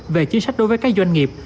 về chính sách đối với các doanh nghiệp